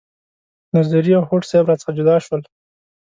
نظري او هوډ صیب را څخه جدا شول.